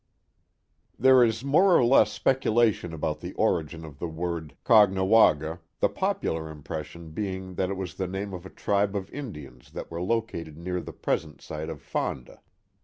THERE is more or less speculation about the origin of the word Caughnawaga, the popular impression being that it was the name of a tribe of Indians that were located near the present site of Fonda.